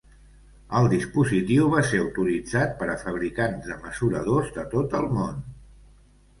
El dispositiu va ser autoritzat per a fabricants de mesuradors de tot el món.